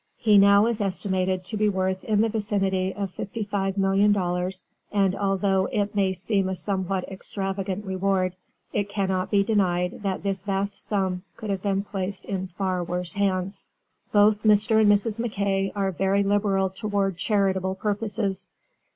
He now is estimated to be worth in the vicinity of $55,000,000, and although it may seem a somewhat extravagant reward, it cannot be denied that this vast sum could have been placed in far worse hands. Both Mr. and Mrs. MacKay are very liberal toward charitable purposes.